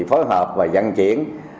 phối hợp và dân chuyển